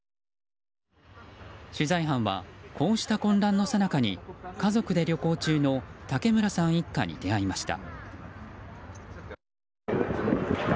取材班はこうした混乱のさなかに家族で旅行中の竹村さん一家に出会いました。